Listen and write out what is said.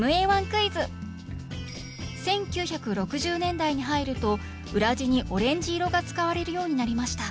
１９６０年代に入ると裏地にオレンジ色が使われるようになりました。